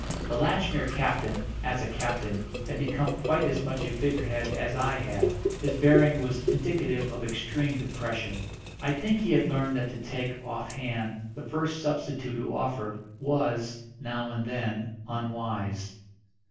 The Latchmere captain, as a captain, had become quite as much a figurehead as I had. His bearing was indicative of extreme depression. I think he had learned that to take, off hand, the first substitute who offered, was, now and then, unwise.